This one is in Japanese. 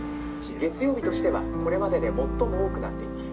「月曜日としてはこれまでで最も多くなっています」。